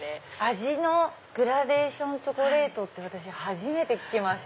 味のグラデーションチョコレートって私初めて聞きました。